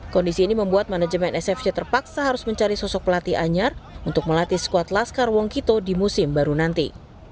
kondisi ini membuat manajemen sfc terpaksa harus mencari sosok pelatih anyar untuk melatih skuad laskar wongkito di musim baru nanti